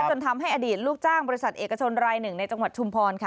จนทำให้อดีตลูกจ้างบริษัทเอกชนรายหนึ่งในจังหวัดชุมพรค่ะ